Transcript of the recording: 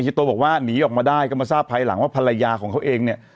โตบอกว่าหนีออกมาได้ก็มาทราบภายหลังว่าภรรยาของเขาเองเนี่ย